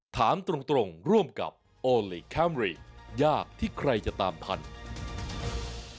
ถามตรงร่วมกับโอลี่คัมรี่ยากที่ใครจะตามพันธุ์